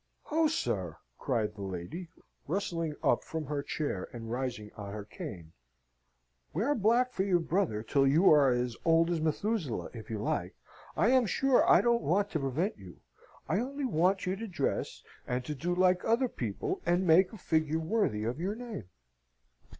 "Ho, sir," cried the lady, rustling up from her chair and rising on her cane, "wear black for your brother till you are as old as Methuselah, if you like. I am sure I don't want to prevent you. I only want you to dress, and to do like other people, and make a figure worthy of your name."